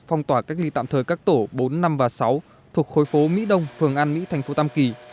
phong tỏa cách ly tạm thời các tổ bốn năm và sáu thuộc khối phố mỹ đông phường an mỹ thành phố tam kỳ